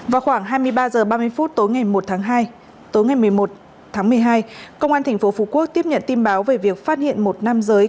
vào khoảng hai mươi ba h ba mươi tối ngày một mươi một tháng một mươi hai công an tp phú quốc tiếp nhận tin báo về việc phát hiện một nam giới